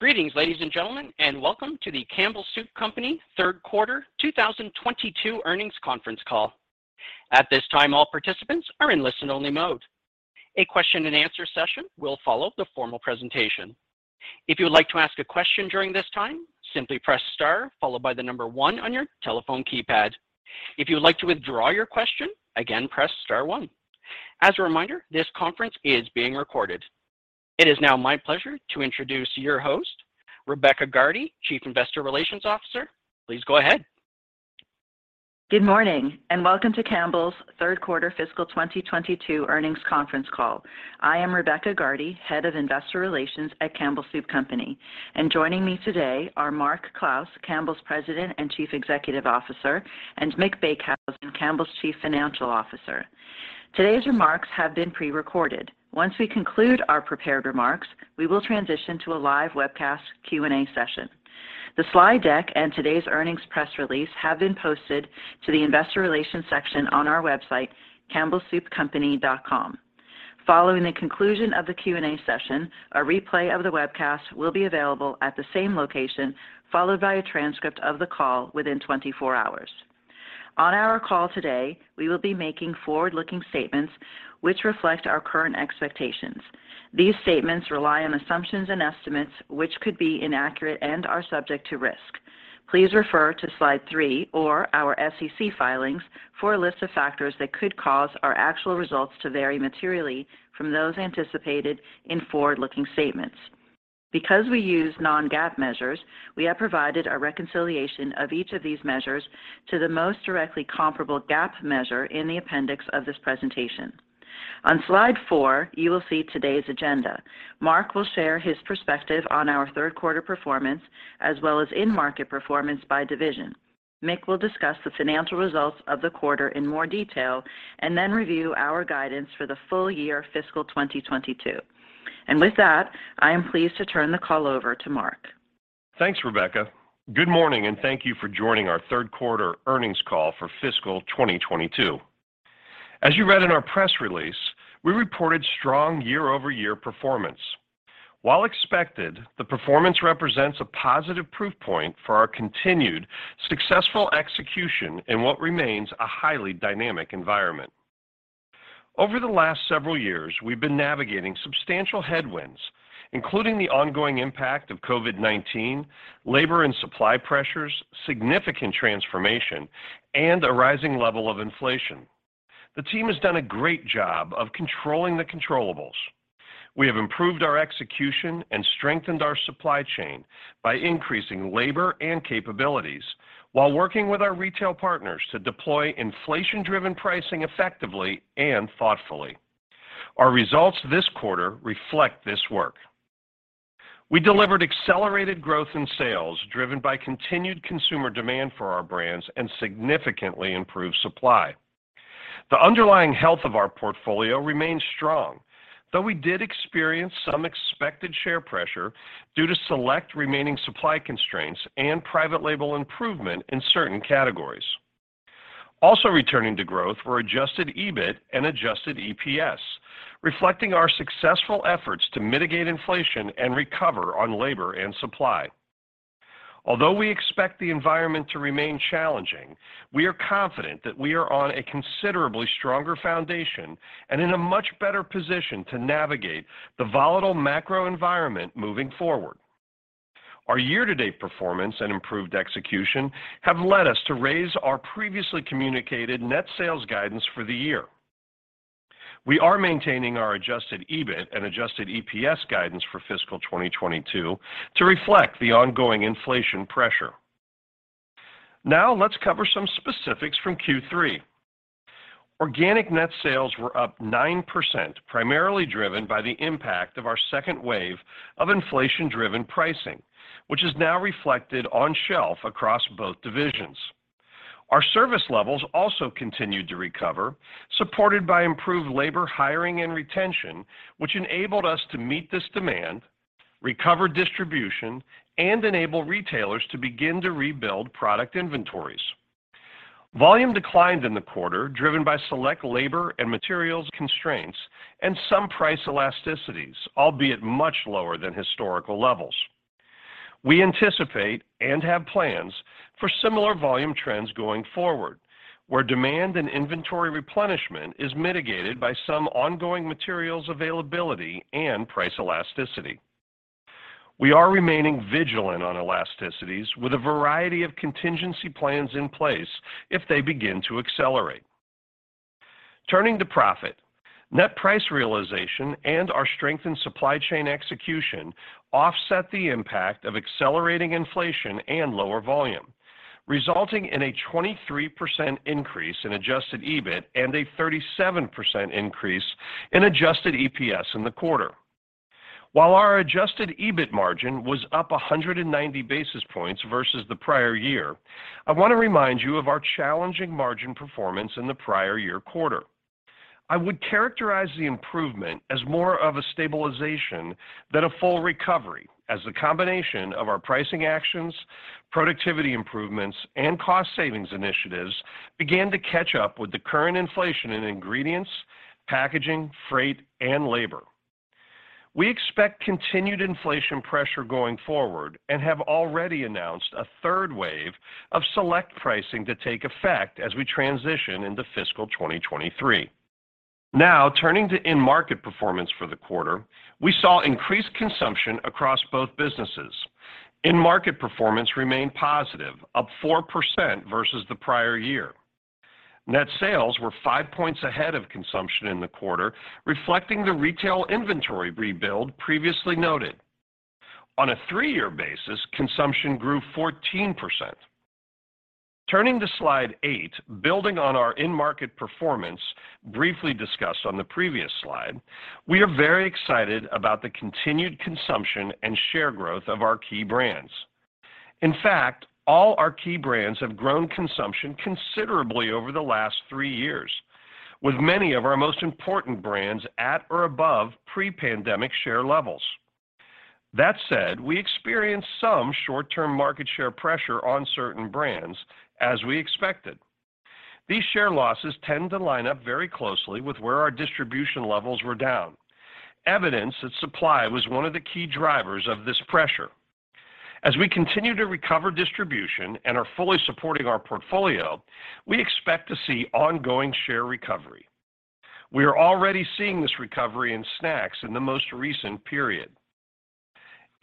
Greetings, ladies and gentlemen, and welcome to the Campbell Soup Company third quarter 2022 earnings conference call. At this time, all participants are in listen-only mode. A question and answer session will follow the formal presentation. If you would like to ask a question during this time, simply press star followed by the number 1 on your telephone keypad. If you would like to withdraw your question, again, press star 1. As a reminder, this conference is being recorded. It is now my pleasure to introduce your host, Rebecca Gardy, Chief Investor Relations Officer. Please go ahead. Good morning and welcome to Campbell's third quarter fiscal 2022 earnings conference call. I am Rebecca Gardy, Head of Investor Relations at Campbell Soup Company, and joining me today are Mark Clouse, Campbell's President and Chief Executive Officer, and Mick Beekhuizen, Campbell's Chief Financial Officer. Today's remarks have been pre-recorded. Once we conclude our prepared remarks, we will transition to a live webcast Q&A session. The slide deck and today's earnings press release have been posted to the investor relations section on our website, campbellsoupcompany.com. Following the conclusion of the Q&A session, a replay of the webcast will be available at the same location, followed by a transcript of the call within 24 hours. On our call today, we will be making forward-looking statements which reflect our current expectations. These statements rely on assumptions and estimates which could be inaccurate and are subject to risk. Please refer to slide 3 or our SEC filings for a list of factors that could cause our actual results to vary materially from those anticipated in forward-looking statements. Because we use non-GAAP measures, we have provided a reconciliation of each of these measures to the most directly comparable GAAP measure in the appendix of this presentation. On slide 4, you will see today's agenda. Mark will share his perspective on our third quarter performance, as well as in-market performance by division. Mick will discuss the financial results of the quarter in more detail and then review our guidance for the full year fiscal 2022. With that, I am pleased to turn the call over to Mark. Thanks, Rebecca. Good morning and thank you for joining our third quarter earnings call for fiscal 2022. As you read in our press release, we reported strong year-over-year performance. While expected, the performance represents a positive proof point for our continued successful execution in what remains a highly dynamic environment. Over the last several years, we've been navigating substantial headwinds, including the ongoing impact of COVID-19, labor and supply pressures, significant transformation, and a rising level of inflation. The team has done a great job of controlling the controllables. We have improved our execution and strengthened our supply chain by increasing labor and capabilities while working with our retail partners to deploy inflation-driven pricing effectively and thoughtfully. Our results this quarter reflect this work. We delivered accelerated growth in sales driven by continued consumer demand for our brands and significantly improved supply. The underlying health of our portfolio remains strong, though we did experience some expected share pressure due to select remaining supply constraints and private label improvement in certain categories. Also returning to growth were adjusted EBIT and adjusted EPS, reflecting our successful efforts to mitigate inflation and recover on labor and supply. Although we expect the environment to remain challenging, we are confident that we are on a considerably stronger foundation and in a much better position to navigate the volatile macro environment moving forward. Our year-to-date performance and improved execution have led us to raise our previously communicated net sales guidance for the year. We are maintaining our adjusted EBIT and adjusted EPS guidance for fiscal 2022 to reflect the ongoing inflation pressure. Now let's cover some specifics from Q3. Organic net sales were up 9%, primarily driven by the impact of our second wave of inflation-driven pricing, which is now reflected on shelf across both divisions. Our service levels also continued to recover, supported by improved labor hiring and retention, which enabled us to meet this demand, recover distribution, and enable retailers to begin to rebuild product inventories. Volume declined in the quarter, driven by select labor and materials constraints and some price elasticities, albeit much lower than historical levels. We anticipate and have plans for similar volume trends going forward, where demand and inventory replenishment is mitigated by some ongoing materials availability and price elasticity. We are remaining vigilant on elasticities with a variety of contingency plans in place if they begin to accelerate. Turning to profit, net price realization and our strengthened supply chain execution offset the impact of accelerating inflation and lower volume, resulting in a 23% increase in adjusted EBIT and a 37% increase in adjusted EPS in the quarter. While our adjusted EBIT margin was up 190 basis points versus the prior year, I want to remind you of our challenging margin performance in the prior year quarter. I would characterize the improvement as more of a stabilization than a full recovery as the combination of our pricing actions, productivity improvements, and cost savings initiatives began to catch up with the current inflation in ingredients, packaging, freight, and labor. We expect continued inflation pressure going forward and have already announced a third wave of select pricing to take effect as we transition into fiscal 2023. Now turning to in-market performance for the quarter, we saw increased consumption across both businesses. In-market performance remained positive, up 4% versus the prior year. Net sales were 5 points ahead of consumption in the quarter, reflecting the retail inventory rebuild previously noted. On a 3-year basis, consumption grew 14%. Turning to slide 8, building on our in-market performance briefly discussed on the previous slide, we are very excited about the continued consumption and share growth of our key brands. In fact, all our key brands have grown consumption considerably over the last 3 years, with many of our most important brands at or above pre-pandemic share levels. That said, we experienced some short-term market share pressure on certain brands as we expected. These share losses tend to line up very closely with where our distribution levels were down, evidence that supply was one of the key drivers of this pressure. As we continue to recover distribution and are fully supporting our portfolio, we expect to see ongoing share recovery. We are already seeing this recovery in snacks in the most recent period.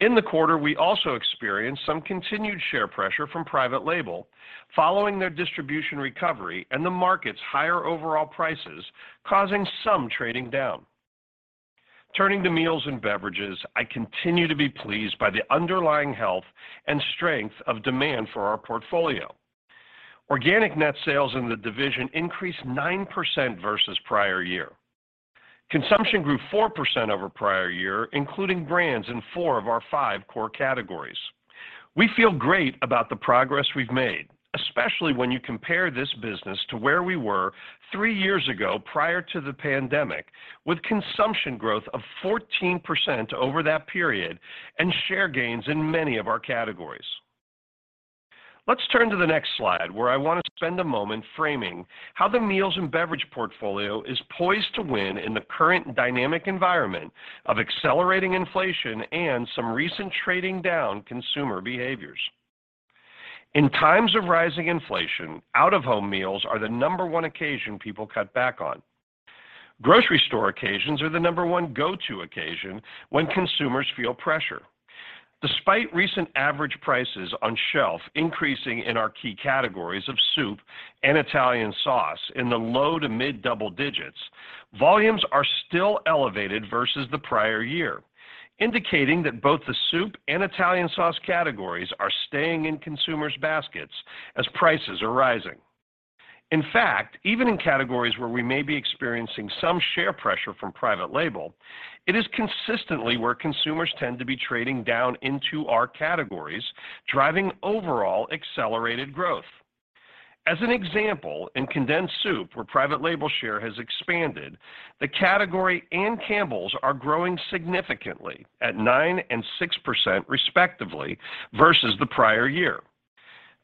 In the quarter, we also experienced some continued share pressure from private label following their distribution recovery and the market's higher overall prices causing some trading down. Turning to meals and beverages, I continue to be pleased by the underlying health and strength of demand for our portfolio. Organic net sales in the division increased 9% versus prior year. Consumption grew 4% over prior year, including brands in four of our five core categories. We feel great about the progress we've made, especially when you compare this business to where we were three years ago prior to the pandemic, with consumption growth of 14% over that period and share gains in many of our categories. Let's turn to the next slide, where I want to spend a moment framing how the meals and beverage portfolio is poised to win in the current dynamic environment of accelerating inflation and some recent trading down consumer behaviors. In times of rising inflation, out-of-home meals are the number one occasion people cut back on. Grocery store occasions are the number one go-to occasion when consumers feel pressure. Despite recent average prices on shelf increasing in our key categories of soup and Italian sauce in the low to mid double digits, volumes are still elevated versus the prior year, indicating that both the soup and Italian sauce categories are staying in consumers' baskets as prices are rising. In fact, even in categories where we may be experiencing some share pressure from private label, it is consistently where consumers tend to be trading down into our categories, driving overall accelerated growth. As an example, in condensed soup, where private label share has expanded, the category and Campbell's are growing significantly at 9% and 6% respectively versus the prior year.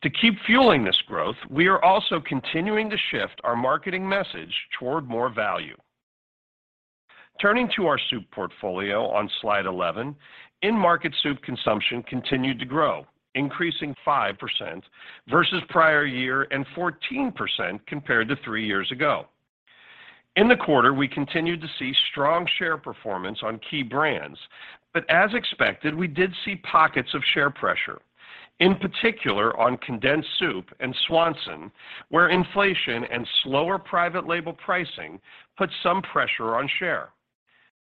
To keep fueling this growth, we are also continuing to shift our marketing message toward more value. Turning to our soup portfolio on slide 11, in-market soup consumption continued to grow, increasing 5% versus prior year and 14% compared to three years ago. In the quarter, we continued to see strong share performance on key brands, but as expected, we did see pockets of share pressure, in particular on condensed soup and Swanson, where inflation and slower private label pricing put some pressure on share.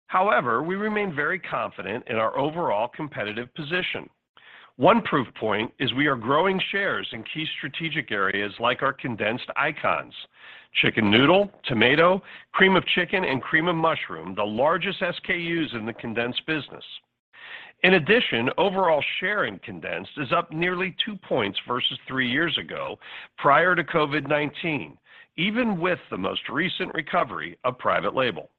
However, we remain very confident in our overall competitive position. One proof point is we are growing shares in key strategic areas like our condensed icons, chicken noodle, tomato, cream of chicken, and cream of mushroom, the largest SKUs in the condensed business. In addition, overall share in condensed is up nearly two points versus three years ago prior to COVID-19, even with the most recent recovery of private label.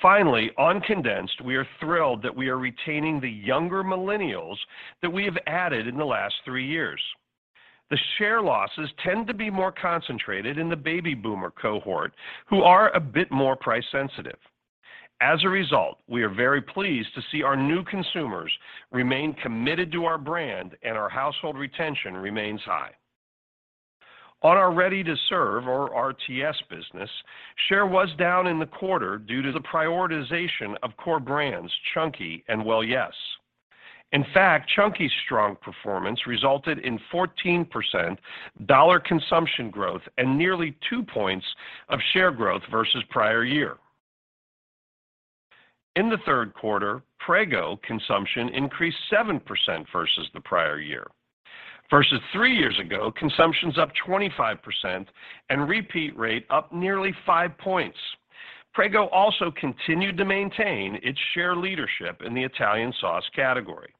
Finally, on condensed, we are thrilled that we are retaining the younger millennials that we have added in the last three years. The share losses tend to be more concentrated in the baby boomer cohort, who are a bit more price sensitive. As a result, we are very pleased to see our new consumers remain committed to our brand and our household retention remains high. On our ready-to-serve or RTS business, share was down in the quarter due to the prioritization of core brands Chunky and Well Yes. In fact, Chunky's strong performance resulted in 14% dollar consumption growth and nearly 2 points of share growth versus prior year. In the third quarter, Prego consumption increased 7% versus the prior year. Versus three years ago, consumption's up 25% and repeat rate up nearly 5 points. Prego also continued to maintain its share leadership in the Italian sauce category.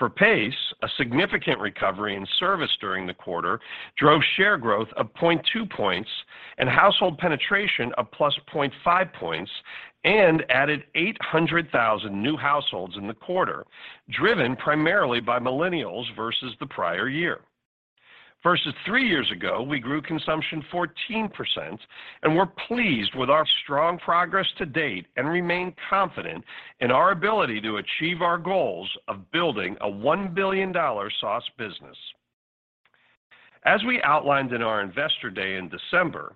For Pace, a significant recovery in service during the quarter drove share growth of 0.2 points and household penetration of +0.5 points and added 800,000 new households in the quarter, driven primarily by millennials versus the prior year. Versus three years ago, we grew consumption 14% and we're pleased with our strong progress to date, and remain confident in our ability to achieve our goals of building a $1 billion sauce business. As we outlined in our Investor Day in December,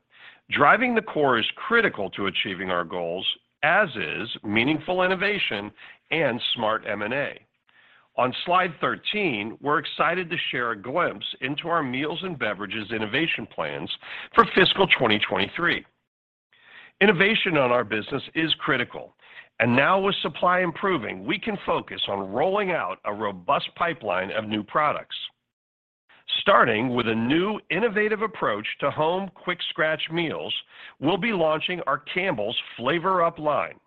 driving the core is critical to achieving our goals, as is meaningful innovation and smart M&A. On slide 13, we're excited to share a glimpse into our meals and beverages innovation plans for fiscal 2023. Innovation on our business is critical, and now with supply improving, we can focus on rolling out a robust pipeline of new products. Starting with a new innovative approach to home quick-scratch meals, we'll be launching our Campbell's FlavorUp! line.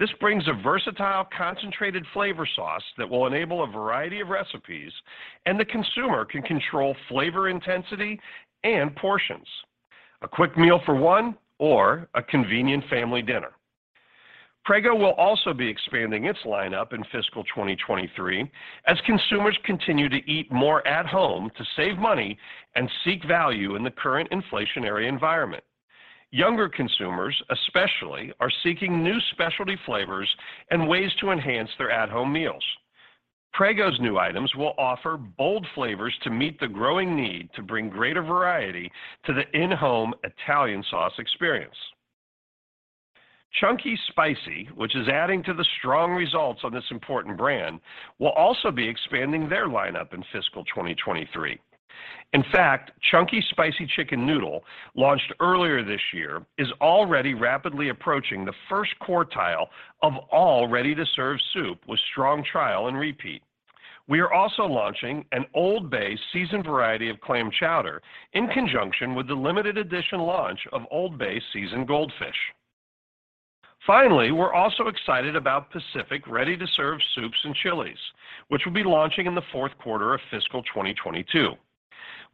This brings a versatile, concentrated flavor sauce that will enable a variety of recipes, and the consumer can control flavor intensity and portions. A quick meal for one or a convenient family dinner. Prego will also be expanding its lineup in fiscal 2023 as consumers continue to eat more at home to save money and seek value in the current inflationary environment. Younger consumers especially are seeking new specialty flavors and ways to enhance their at-home meals. Prego's new items will offer bold flavors to meet the growing need to bring greater variety to the in-home Italian sauce experience. Chunky Spicy, which is adding to the strong results on this important brand, will also be expanding their lineup in fiscal 2023. In fact, Chunky Spicy Chicken Noodle, launched earlier this year, is already rapidly approaching the first quartile of all ready-to-serve soup with strong trial and repeat. We are also launching an Old Bay seasoned variety of clam chowder in conjunction with the limited edition launch of Old Bay seasoned Goldfish. Finally, we're also excited about Pacific ready-to-serve soups and chilies, which will be launching in the fourth quarter of fiscal 2022.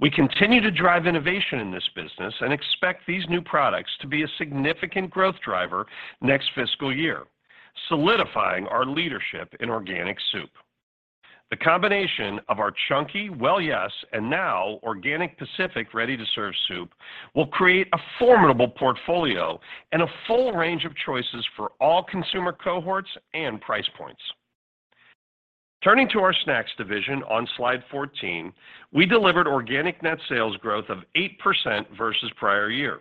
We continue to drive innovation in this business and expect these new products to be a significant growth driver next fiscal year, solidifying our leadership in organic soup. The combination of our Chunky Well Yes and now organic Pacific ready-to-serve soup will create a formidable portfolio and a full range of choices for all consumer cohorts and price points. Turning to our snacks division on slide 14, we delivered organic net sales growth of 8% versus prior year.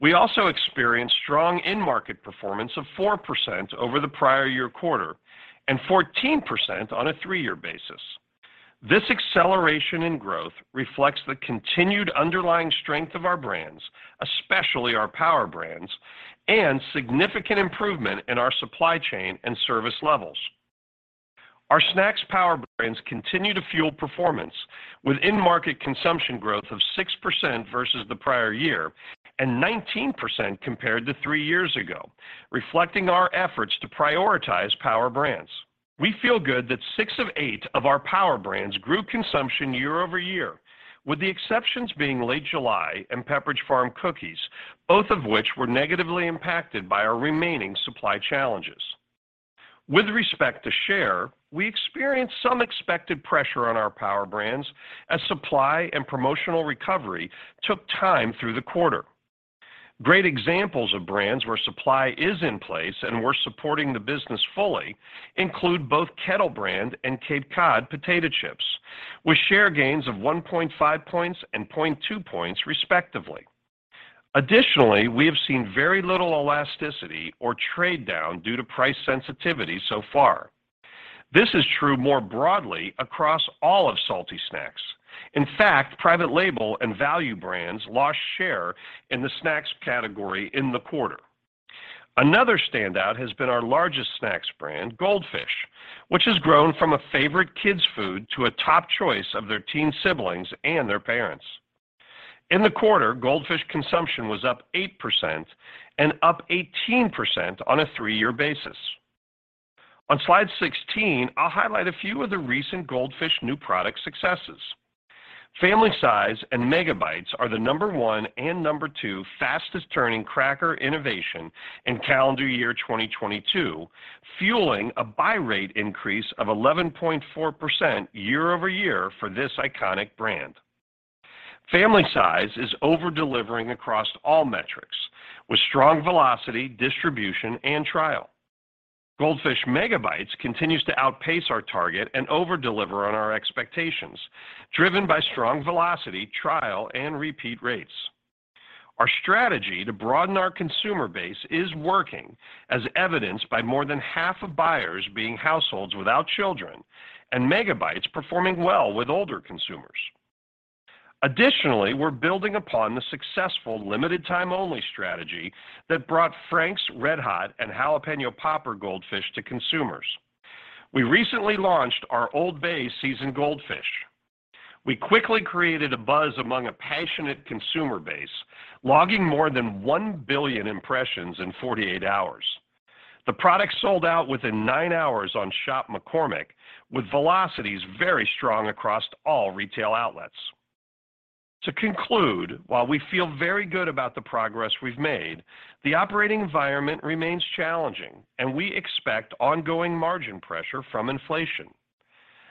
We also experienced strong in-market performance of 4% over the prior year quarter and 14% on a 3-year basis. This acceleration in growth reflects the continued underlying strength of our brands, especially our Power Brands, and significant improvement in our supply chain and service levels. Our Snacks Power Brands continue to fuel performance with in-market consumption growth of 6% versus the prior year and 19% compared to 3 years ago, reflecting our efforts to prioritize Power Brands. We feel good that 6 of 8 of our Power Brands grew consumption year-over-year, with the exceptions being Late July and Pepperidge Farm cookies, both of which were negatively impacted by our remaining supply challenges. With respect to share, we experienced some expected pressure on our Power Brands as supply and promotional recovery took time through the quarter. Great examples of brands where supply is in place and we're supporting the business fully include both Kettle Brand and Cape Cod potato chips, with share gains of 1.5 points and 0.2 points respectively. Additionally, we have seen very little elasticity or trade down due to price sensitivity so far. This is true more broadly across all of salty snacks. In fact, private label and value brands lost share in the snacks category in the quarter. Another standout has been our largest snacks brand, Goldfish, which has grown from a favorite kids' food to a top choice of their teen siblings and their parents. In the quarter, Goldfish consumption was up 8% and up 18% on a 3-year basis. On slide 16, I'll highlight a few of the recent Goldfish new product successes. Family Size and Mega Bites are the number one and number two fastest turning cracker innovation in calendar year 2022, fueling a buy rate increase of 11.4% year-over-year for this iconic brand. Family Size is over-delivering across all metrics with strong velocity, distribution, and trial. Goldfish Mega Bites continues to outpace our target and over-deliver on our expectations, driven by strong velocity, trial, and repeat rates. Our strategy to broaden our consumer base is working as evidenced by more than half of buyers being households without children and Mega Bites performing well with older consumers. Additionally, we're building upon the successful limited time only strategy that brought Frank's RedHot and Jalapeño Popper Goldfish to consumers. We recently launched our Old Bay seasoned Goldfish. We quickly created a buzz among a passionate consumer base, logging more than 1 billion impressions in 48 hours. The product sold out within 9 hours on Shop McCormick with velocities very strong across all retail outlets. To conclude, while we feel very good about the progress we've made, the operating environment remains challenging, and we expect ongoing margin pressure from inflation.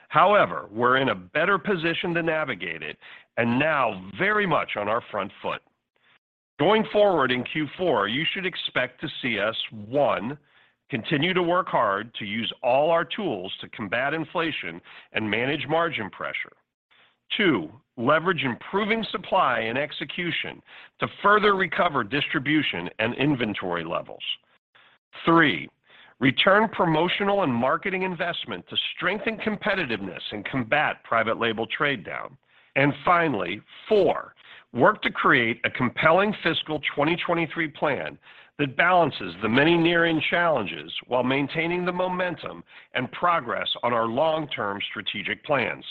However, we're in a better position to navigate it and now very much on our front foot. Going forward in Q4, you should expect to see us, one, continue to work hard to use all our tools to combat inflation and manage margin pressure. Two, leverage improving supply and execution to further recover distribution and inventory levels. Three, return promotional and marketing investment to strengthen competitiveness and combat private label trade down. And finally, four, work to create a compelling fiscal 2023 plan that balances the many near-term challenges while maintaining the momentum and progress on our long-term strategic plans.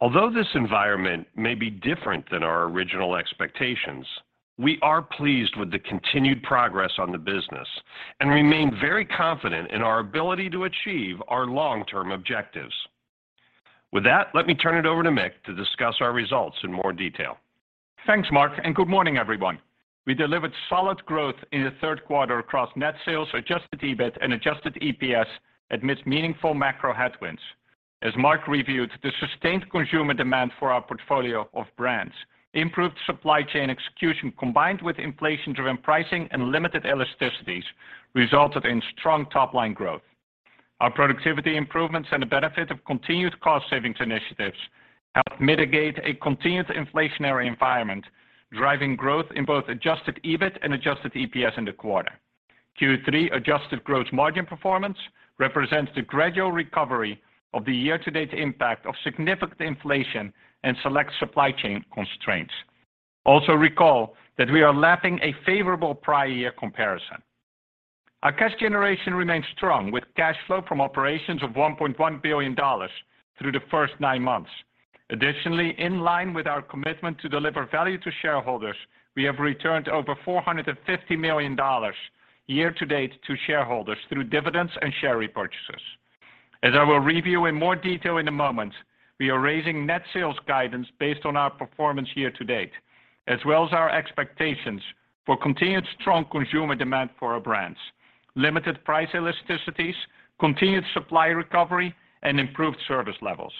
Although this environment may be different than our original expectations, we are pleased with the continued progress on the business and remain very confident in our ability to achieve our long-term objectives. With that, let me turn it over to Mick to discuss our results in more detail. Thanks, Mark, and good morning, everyone. We delivered solid growth in the third quarter across net sales, adjusted EBIT and adjusted EPS amidst meaningful macro headwinds. As Mark reviewed, the sustained consumer demand for our portfolio of brands, improved supply chain execution combined with inflation-driven pricing and limited elasticities resulted in strong top-line growth. Our productivity improvements and the benefit of continued cost savings initiatives helped mitigate a continued inflationary environment, driving growth in both adjusted EBIT and adjusted EPS in the quarter. Q3 adjusted gross margin performance represents the gradual recovery of the year-to-date impact of significant inflation and select supply chain constraints. Also recall that we are lapping a favorable prior year comparison. Our cash generation remains strong with cash flow from operations of $1.1 billion through the first nine months. Additionally, in line with our commitment to deliver value to shareholders, we have returned over $450 million year to date to shareholders through dividends and share repurchases. As I will review in more detail in a moment, we are raising net sales guidance based on our performance year to date, as well as our expectations for continued strong consumer demand for our brands, limited price elasticities, continued supply recovery, and improved service levels.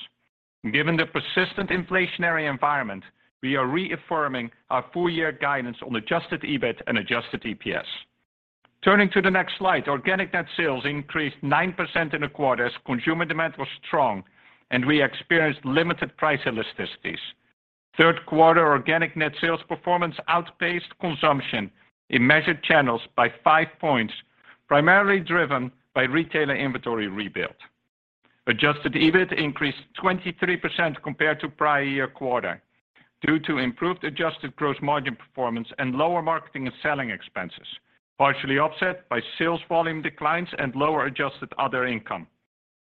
Given the persistent inflationary environment, we are reaffirming our full year guidance on adjusted EBIT and adjusted EPS. Turning to the next slide, organic net sales increased 9% in the quarter as consumer demand was strong, and we experienced limited price elasticities. Third quarter organic net sales performance outpaced consumption in measured channels by five points, primarily driven by retailer inventory rebuild. Adjusted EBIT increased 23% compared to prior year quarter due to improved adjusted gross margin performance and lower marketing and selling expenses, partially offset by sales volume declines and lower adjusted other income.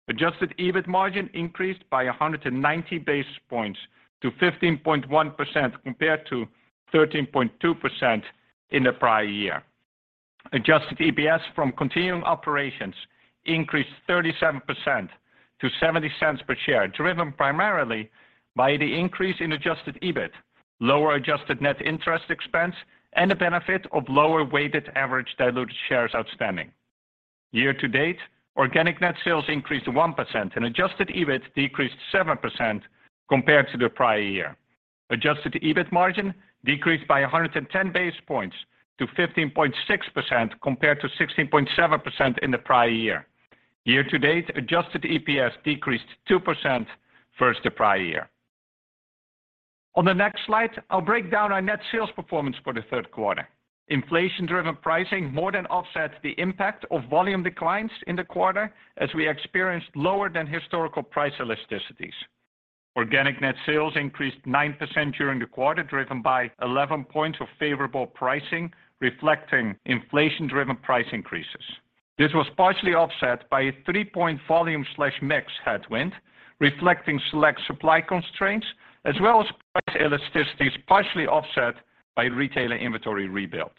Adjusted EBIT margin increased by 190 basis points to 15.1% compared to 13.2% in the prior year. Adjusted EPS from continuing operations increased 37% to $0.70 per share, driven primarily by the increase in adjusted EBIT, lower adjusted net interest expense, and the benefit of lower weighted average diluted shares outstanding. Year to date, organic net sales increased 1% and adjusted EBIT decreased 7% compared to the prior year. Adjusted EBIT margin decreased by 110 basis points to 15.6% compared to 16.7% in the prior year. Year to date, adjusted EPS decreased 2% versus the prior year. On the next slide, I'll break down our net sales performance for the third quarter. Inflation-driven pricing more than offsets the impact of volume declines in the quarter as we experienced lower than historical price elasticities. Organic net sales increased 9% during the quarter, driven by 11 points of favorable pricing, reflecting inflation-driven price increases. This was partially offset by a 3-point volume/mix headwind, reflecting select supply constraints as well as price elasticities partially offset by retailer inventory rebuild.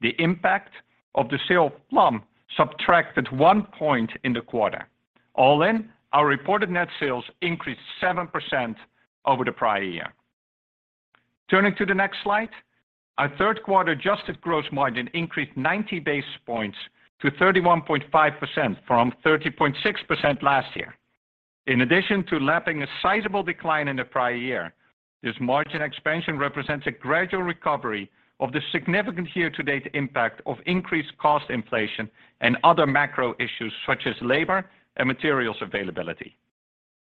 The impact of the sale of Plum subtracted 1 point in the quarter. All in, our reported net sales increased 7% over the prior year. Turning to the next slide, our third quarter adjusted gross margin increased 90 basis points to 31.5% from 30.6% last year. In addition to lapping a sizable decline in the prior year, this margin expansion represents a gradual recovery of the significant year-to-date impact of increased cost inflation and other macro issues such as labor and materials availability.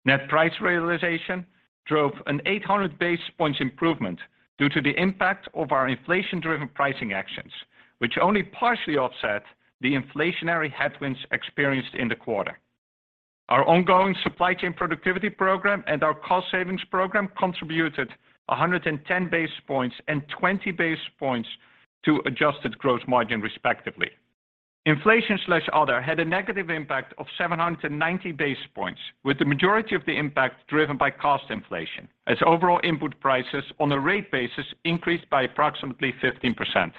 Net price realization drove an 800 basis points improvement due to the impact of our inflation-driven pricing actions, which only partially offset the inflationary headwinds experienced in the quarter. Our ongoing supply chain productivity program and our cost savings program contributed 110 basis points and 20 basis points to adjusted gross margin, respectively. Inflation/other had a negative impact of 790 basis points, with the majority of the impact driven by cost inflation as overall input prices on a rate basis increased by approximately 15%.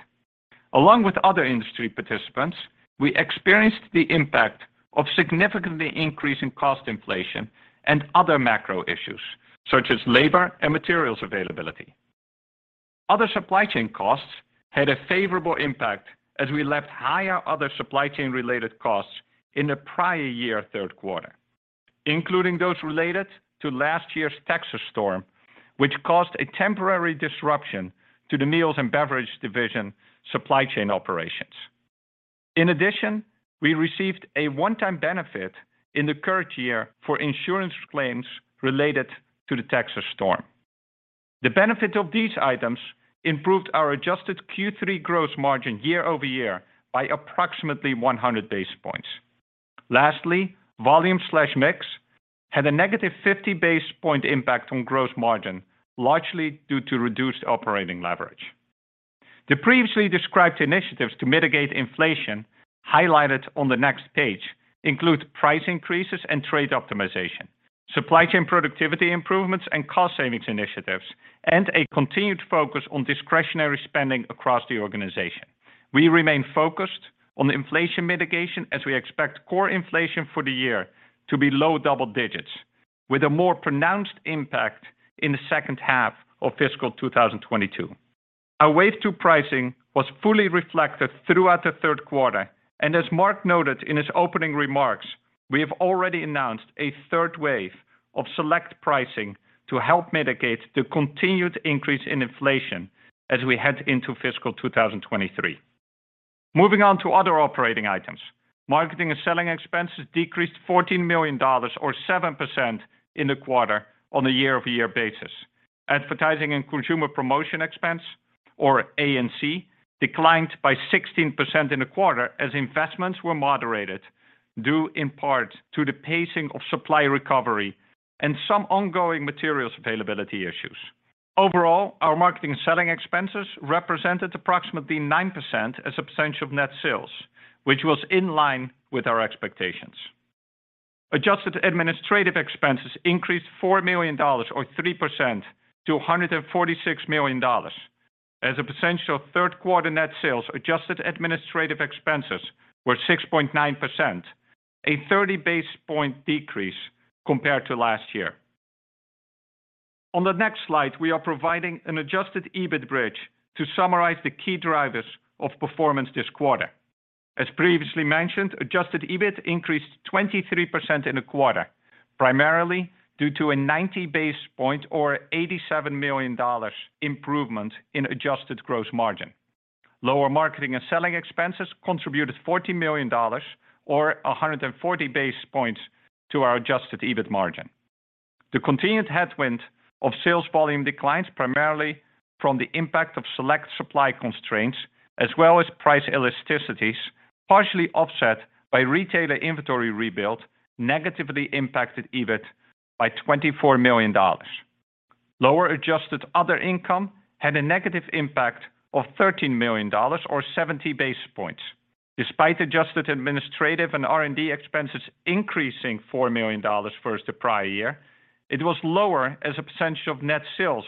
Along with other industry participants, we experienced the impact of significantly increasing cost inflation and other macro issues, such as labor and materials availability. Other supply chain costs had a favorable impact as we left higher other supply chain-related costs in the prior year third quarter, including those related to last year's Texas storm, which caused a temporary disruption to the Meals and Beverages division supply chain operations. In addition, we received a one-time benefit in the current year for insurance claims related to the Texas storm. The benefit of these items improved our adjusted Q3 gross margin year-over-year by approximately 100 basis points. Lastly, volume/mix had a negative 50 basis points impact on gross margin, largely due to reduced operating leverage. The previously described initiatives to mitigate inflation highlighted on the next page include price increases and trade optimization, supply chain productivity improvements and cost savings initiatives, and a continued focus on discretionary spending across the organization. We remain focused on inflation mitigation as we expect core inflation for the year to be low double digits, with a more pronounced impact in the second half of fiscal 2022. Our wave 2 pricing was fully reflected throughout the third quarter, and as Mark noted in his opening remarks, we have already announced a third wave of select pricing to help mitigate the continued increase in inflation as we head into fiscal 2023. Moving on to other operating items. Marketing and selling expenses decreased $14 million or 7% in the quarter on a year-over-year basis. Advertising and consumer promotion expense, or A&C, declined by 16% in the quarter as investments were moderated, due in part to the pacing of supply recovery and some ongoing materials availability issues. Overall, our marketing and selling expenses represented approximately 9% as a percentage of net sales, which was in line with our expectations. Adjusted administrative expenses increased $4 million or 3% to $146 million. As a percentage of third-quarter net sales, adjusted administrative expenses were 6.9%, a 30 basis points decrease compared to last year. On the next slide, we are providing an adjusted EBIT bridge to summarize the key drivers of performance this quarter. As previously mentioned, adjusted EBIT increased 23% in the quarter, primarily due to a 90 basis points or $87 million improvement in adjusted gross margin. Lower marketing and selling expenses contributed $40 million or 140 basis points to our adjusted EBIT margin. The continued headwind of sales volume declines primarily from the impact of select supply constraints as well as price elasticities, partially offset by retailer inventory rebuild, negatively impacted EBIT by $24 million. Lower adjusted other income had a negative impact of $13 million or 70 basis points. Despite adjusted administrative and R&D expenses increasing $4 million versus the prior year, it was lower as a percentage of net sales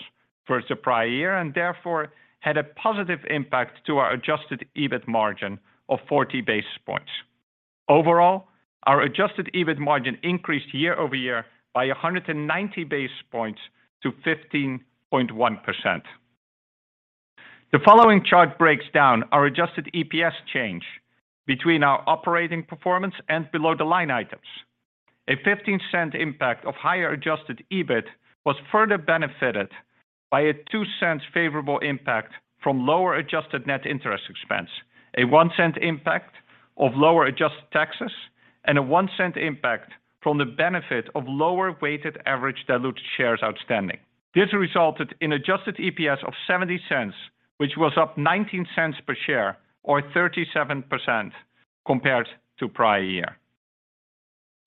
versus the prior year, and therefore had a positive impact to our adjusted EBIT margin of 40 basis points. Overall, our adjusted EBIT margin increased year-over-year by 190 basis points to 15.1%. The following chart breaks down our adjusted EPS change between our operating performance and below-the-line items. A $0.15 impact of higher adjusted EBIT was further benefited by a $0.02 favorable impact from lower adjusted net interest expense, a $0.01 impact of lower adjusted taxes, and a $0.01 impact from the benefit of lower weighted average diluted shares outstanding. This resulted in adjusted EPS of $0.70, which was up $0.19 per share or 37% compared to prior year.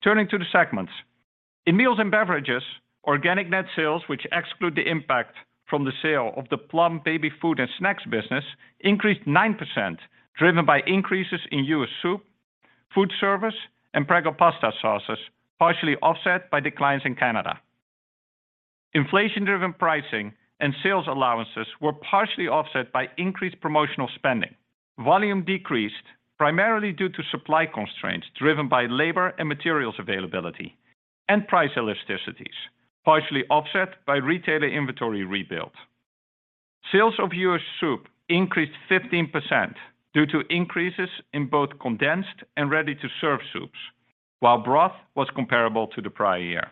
Turning to the segments. In meals and beverages, organic net sales, which exclude the impact from the sale of the Plum baby food and snacks business, increased 9%, driven by increases in U.S. soup, food service, and Prego pasta sauces, partially offset by declines in Canada. Inflation-driven pricing and sales allowances were partially offset by increased promotional spending. Volume decreased primarily due to supply constraints driven by labor and materials availability and price elasticities, partially offset by retailer inventory rebuild. Sales of U.S. soup increased 15% due to increases in both condensed and ready-to-serve soups, while broth was comparable to the prior year.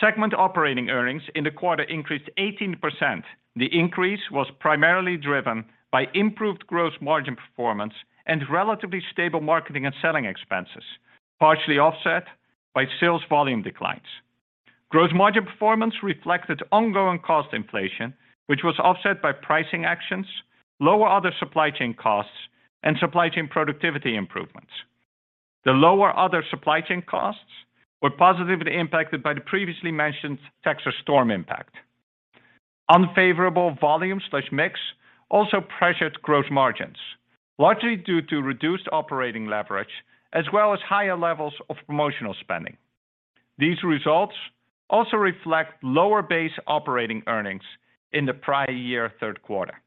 Segment operating earnings in the quarter increased 18%. The increase was primarily driven by improved gross margin performance and relatively stable marketing and selling expenses, partially offset by sales volume declines. Gross margin performance reflected ongoing cost inflation, which was offset by pricing actions, lower other supply chain costs, and supply chain productivity improvements. The lower other supply chain costs were positively impacted by the previously mentioned Texas storm impact. Unfavorable volume/mix also pressured gross margins, largely due to reduced operating leverage as well as higher levels of promotional spending. These results also reflect lower base operating earnings in the prior year third quarter.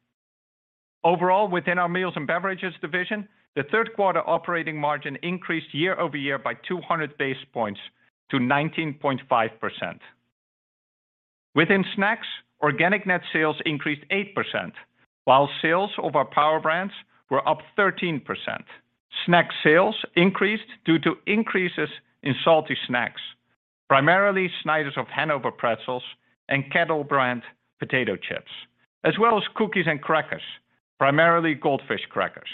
Overall, within our Meals and Beverages division, the third quarter operating margin increased year over year by 200 basis points to 19.5%. Within snacks, organic net sales increased 8%, while sales of our Power Brands were up 13%. Snack sales increased due to increases in salty snacks, primarily Snyder's of Hanover pretzels and Kettle Brand potato chips, as well as cookies and crackers, primarily Goldfish crackers.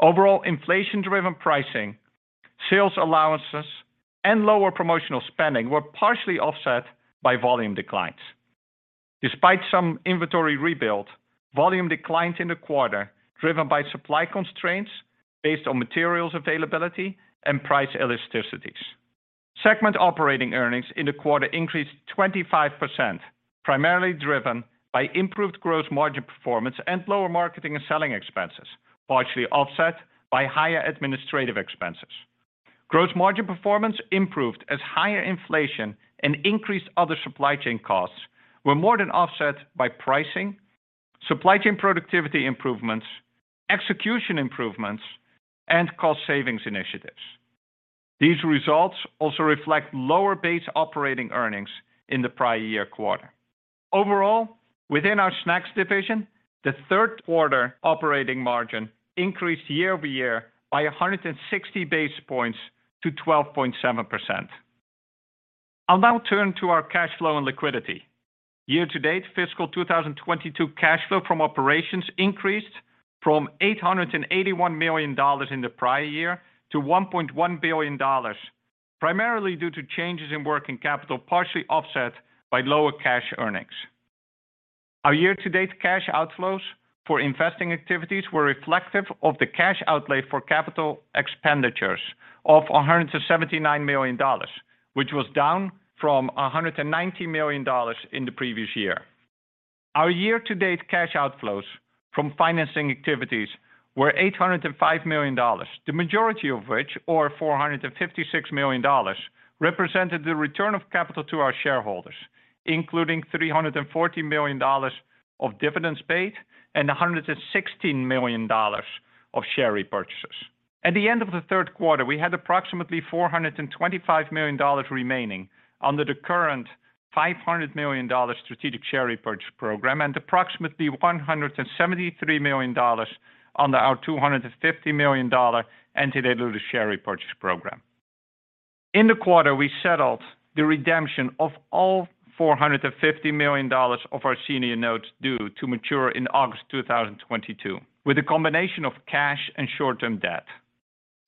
Overall inflation-driven pricing, sales allowances, and lower promotional spending were partially offset by volume declines. Despite some inventory rebuild, volume declined in the quarter, driven by supply constraints based on materials availability and price elasticities. Segment operating earnings in the quarter increased 25%, primarily driven by improved gross margin performance and lower marketing and selling expenses, partially offset by higher administrative expenses. Gross margin performance improved as higher inflation and increased other supply chain costs were more than offset by pricing, supply chain productivity improvements, execution improvements, and cost savings initiatives. These results also reflect lower base operating earnings in the prior year quarter. Overall, within our snacks division, the third quarter operating margin increased year-over-year by 160 basis points to 12.7%. I'll now turn to our cash flow and liquidity. Year-to-date fiscal 2022 cash flow from operations increased from $881 million in the prior year to $1.1 billion, primarily due to changes in working capital, partially offset by lower cash earnings. Our year-to-date cash outflows for investing activities were reflective of the cash outlay for capital expenditures of $179 million, which was down from $190 million in the previous year. Our year-to-date cash outflows from financing activities were $805 million, the majority of which, or $456 million, represented the return of capital to our shareholders, including $340 million of dividends paid and $116 million of share repurchases. At the end of the third quarter, we had approximately $425 million remaining under the current $500 million strategic share repurchase program and approximately $173 million under our $250 million dollar anti-dilutive share repurchase program. In the quarter, we settled the redemption of all $450 million of our senior notes due to mature in August 2022 with a combination of cash and short-term debt.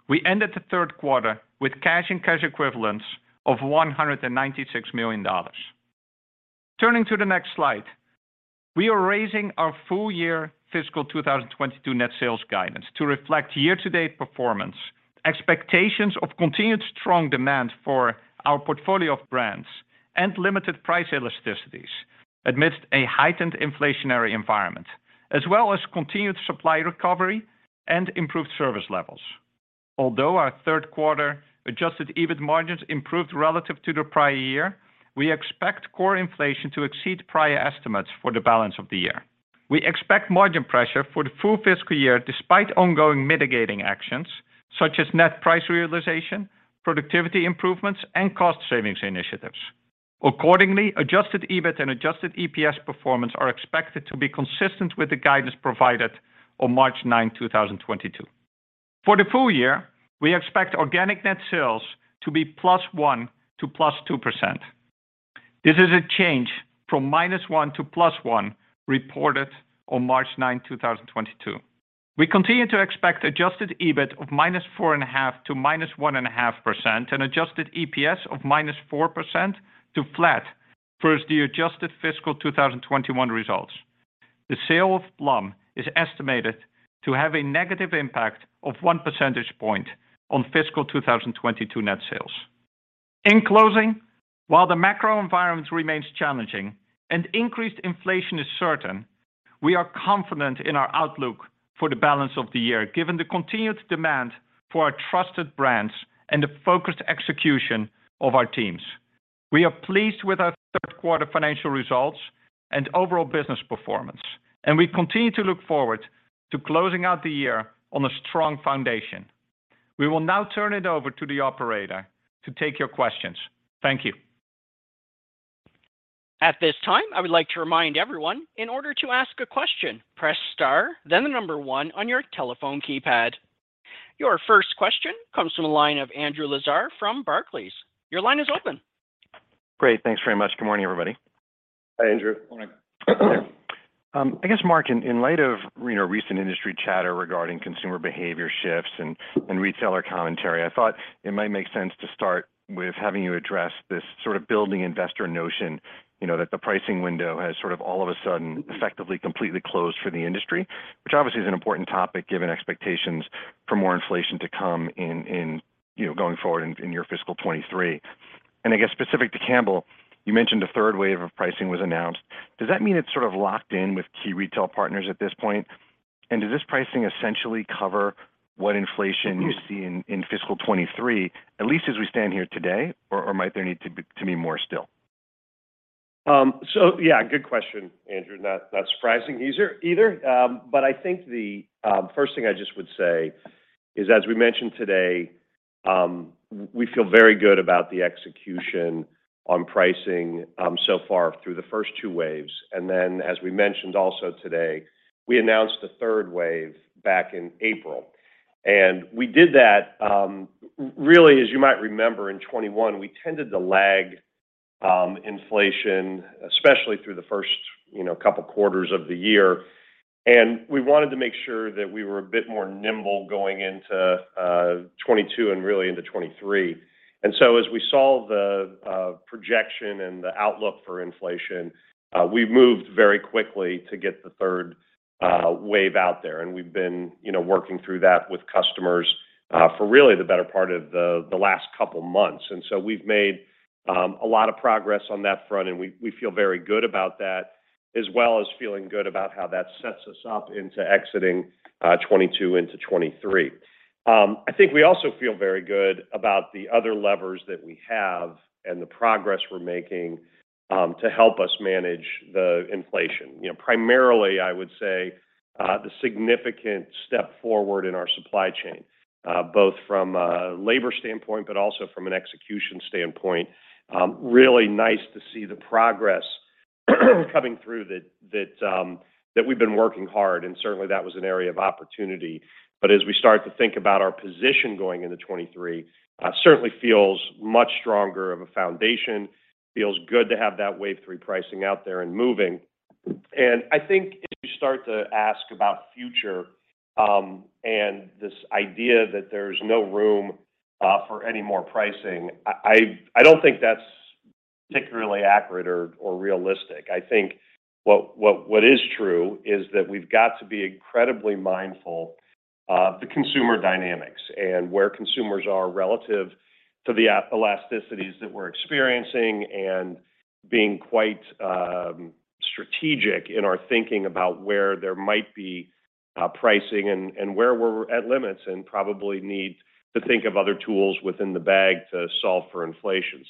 We ended the third quarter with cash and cash equivalents of $196 million. Turning to the next slide. We are raising our full-year fiscal 2022 net sales guidance to reflect year-to-date performance, expectations of continued strong demand for our portfolio of brands and limited price elasticities amidst a heightened inflationary environment, as well as continued supply recovery and improved service levels. Although our third quarter adjusted EBIT margins improved relative to the prior year, we expect core inflation to exceed prior estimates for the balance of the year. We expect margin pressure for the full fiscal year despite ongoing mitigating actions such as net price realization, productivity improvements, and cost savings initiatives. Accordingly, adjusted EBIT and adjusted EPS performance are expected to be consistent with the guidance provided on March 9, 2022. For the full year, we expect organic net sales to be +1% to +2%. This is a change from -1% to +1% reported on March 9, 2022. We continue to expect adjusted EBIT of -4.5% to -1.5% and adjusted EPS of -4% to flat versus the adjusted fiscal 2021 results. The sale of Plum Organics is estimated to have a negative impact of one percentage point on fiscal 2022 net sales. In closing, while the macro environment remains challenging and increased inflation is certain, we are confident in our outlook for the balance of the year, given the continued demand for our trusted brands and the focused execution of our teams. We are pleased with our third quarter financial results and overall business performance, and we continue to look forward to closing out the year on a strong foundation. We will now turn it over to the operator to take your questions. Thank you. At this time, I would like to remind everyone, in order to ask a question, press star, then the number one on your telephone keypad. Your first question comes from the line of Andrew Lazar from Barclays. Your line is open. Great. Thanks very much. Good morning, everybody. Hi, Andrew. Morning. I guess, Mark, in light of, you know, recent industry chatter regarding consumer behavior shifts and retailer commentary, I thought it might make sense to start with having you address this sort of building investor notion, you know, that the pricing window has sort of all of a sudden effectively completely closed for the industry, which obviously is an important topic given expectations for more inflation to come in, you know, going forward in your fiscal 2023. I guess specific to Campbell, you mentioned a third wave of pricing was announced. Does that mean it's sort of locked in with key retail partners at this point? Does this pricing essentially cover what inflation you see in fiscal 2023, at least as we stand here today, or might there need to be more still? Yeah, good question, Andrew. Not surprising either. I think the first thing I just would say is, as we mentioned today, we feel very good about the execution on pricing so far through the first two waves. As we mentioned also today, we announced a third wave back in April. We did that really, as you might remember, in 2021, we tended to lag inflation, especially through the first, you know, couple quarters of the year. We wanted to make sure that we were a bit more nimble going into 2022 and really into 2023. As we saw the projection and the outlook for inflation, we moved very quickly to get the third wave out there. We've been, you know, working through that with customers for really the better part of the last couple months. We've made a lot of progress on that front, and we feel very good about that, as well as feeling good about how that sets us up into exiting 2022 into 2023. I think we also feel very good about the other levers that we have and the progress we're making to help us manage the inflation. You know, primarily, I would say, the significant step forward in our supply chain, both from a labor standpoint, but also from an execution standpoint. Really nice to see the progress coming through that we've been working hard, and certainly, that was an area of opportunity. As we start to think about our position going into 2023, certainly feels much stronger of a foundation. Feels good to have that wave three pricing out there and moving. I think if you start to ask about future, and this idea that there's no room for any more pricing, I don't think that's particularly accurate or realistic. I think what is true is that we've got to be incredibly mindful of the consumer dynamics and where consumers are relative to the elasticities that we're experiencing and being quite strategic in our thinking about where there might be pricing and where we're at limits and probably need to think of other tools within the bag to solve for inflation.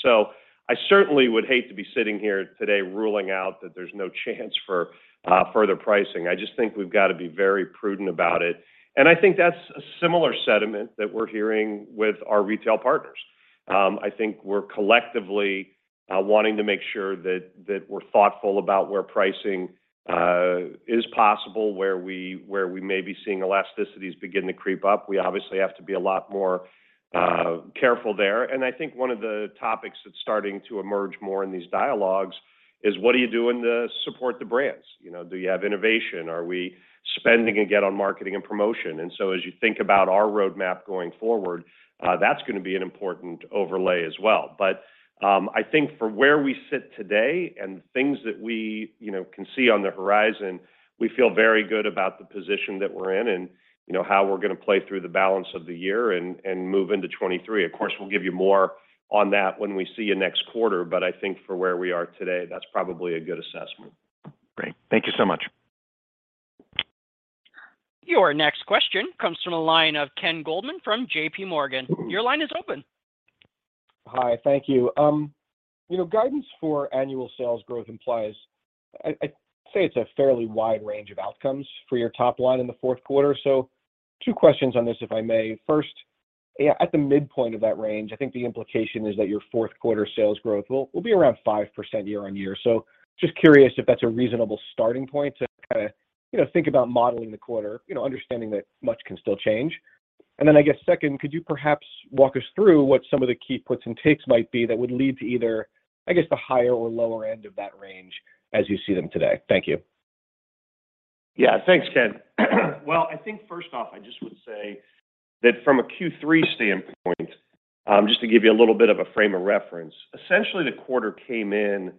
I certainly would hate to be sitting here today ruling out that there's no chance for further pricing. I just think we've got to be very prudent about it. I think that's a similar sentiment that we're hearing with our retail partners. I think we're collectively wanting to make sure that we're thoughtful about where pricing is possible, where we may be seeing elasticities begin to creep up. We obviously have to be a lot more careful there. I think one of the topics that's starting to emerge more in these dialogues is what are you doing to support the brands? You know, do you have innovation? Are we spending again on marketing and promotion? As you think about our roadmap going forward, that's gonna be an important overlay as well. I think for where we sit today and things that we, you know, can see on the horizon, we feel very good about the position that we're in and, you know, how we're gonna play through the balance of the year and move into 2023. Of course, we'll give you more on that when we see you next quarter. I think for where we are today, that's probably a good assessment. Great. Thank you so much. Your next question comes from the line of Head of US Equity Research. Your line is open. Hi. Thank you. You know, guidance for annual sales growth implies. I'd say it's a fairly wide range of outcomes for your top line in the fourth quarter. Two questions on this, if I may. First, at the midpoint of that range, I think the implication is that your fourth quarter sales growth will be around 5% year-on-year. Just curious if that's a reasonable starting point to kinda, you know, think about modeling the quarter, you know, understanding that much can still change. Then I guess second, could you perhaps walk us through what some of the key puts and takes might be that would lead to either, I guess, the higher or lower end of that range as you see them today? Thank you. Yeah. Thanks, Ken. Well, I think first off, I just would say that from a Q3 standpoint, just to give you a little bit of a frame of reference, essentially the quarter came in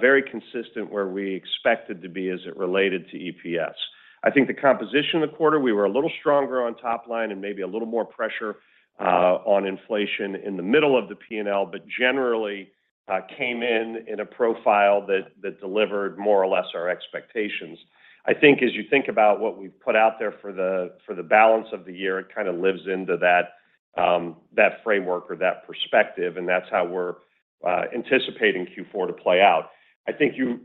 very consistent where we expected to be as it related to EPS. I think the composition of the quarter, we were a little stronger on top line and maybe a little more pressure on inflation in the middle of the P&L, but generally came in in a profile that delivered more or less our expectations. I think as you think about what we've put out there for the balance of the year, it kinda lives into that framework or that perspective, and that's how we're anticipating Q4 to play out. I think you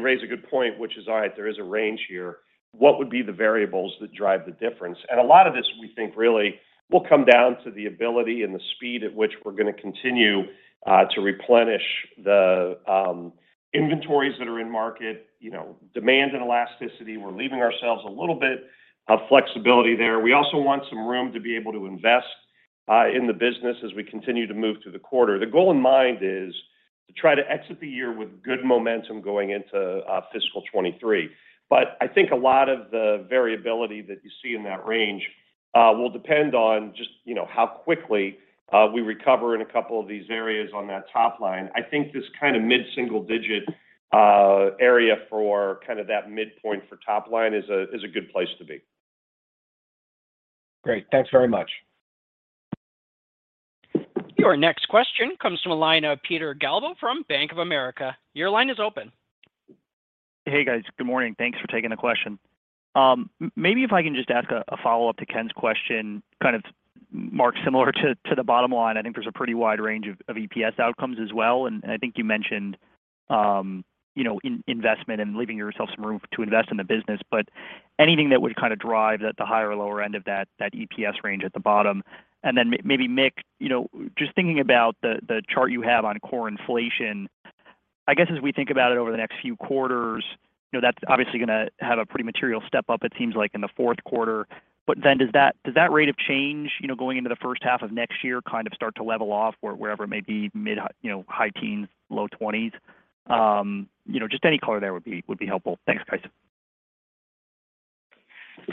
raise a good point, which is all right, there is a range here. What would be the variables that drive the difference? A lot of this, we think, really will come down to the ability and the speed at which we're gonna continue to replenish the inventories that are in market, you know, demand and elasticity. We're leaving ourselves a little bit of flexibility there. We also want some room to be able to invest in the business as we continue to move through the quarter. The goal in mind is to try to exit the year with good momentum going into fiscal 2023. I think a lot of the variability that you see in that range will depend on just, you know, how quickly we recover in a couple of these areas on that top line. I think this kinda mid-single digit area for kind of that midpoint for top line is a good place to be. Great. Thanks very much. Your next question comes from a line of Peter Galbo from Bank of America. Your line is open. Hey, guys. Good morning. Thanks for taking the question. Maybe if I can just ask a follow-up to Ken's question, kind of, Mark, similar to the bottom line. I think there's a pretty wide range of EPS outcomes as well. I think you mentioned, you know, investment and leaving yourself some room to invest in the business, but anything that would kind of drive at the higher or lower end of that EPS range at the bottom. Then maybe Mick, you know, just thinking about the chart you have on core inflation. I guess as we think about it over the next few quarters, you know, that's obviously gonna have a pretty material step up, it seems like in the fourth quarter. Does that rate of change, you know, going into the first half of next year, kind of start to level off wherever it may be mid-teens, high teens, low twenties? You know, just any color there would be helpful. Thanks, guys.